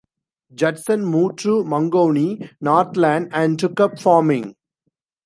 Judson moved to Mangonui, Northland and took up farming.